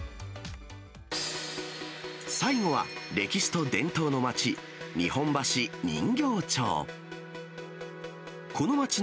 最後は、歴史と伝統の街、日本橋人形町。